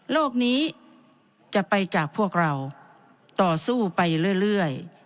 โลกนี้จะไปจากพวกเราต่อสู้ไปเรื่อย